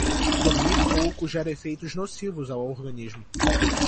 Dormir pouco gera efeitos nocivos ao organismo